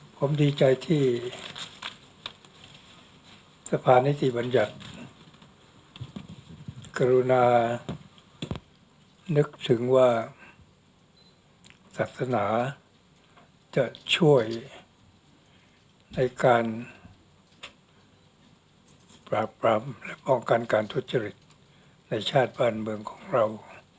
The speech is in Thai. ผมดีใจที่สะพานนิติบัญญัติกรุณานึกถึงว่าศาสนาจะช่วยในการปราบปรามป้องกันการทุจริตในชาติบ้านเมืองของเรา